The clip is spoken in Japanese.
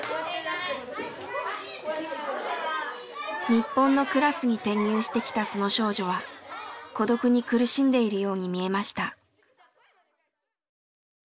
日本のクラスに転入してきたその少女は孤独に苦しんでいるように見えました。